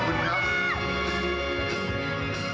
โปรดติดตามตอนต่อไป